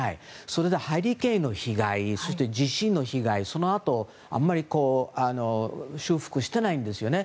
それでハリケーンの被害地震の被害そのあと、あまり修復していないんですよね。